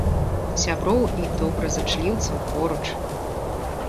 Сяброў і добразычліўцаў поруч!